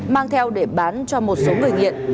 mang theo để bán cho một số người nghiện